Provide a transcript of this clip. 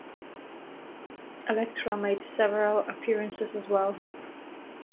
Elektra made several appearances as well.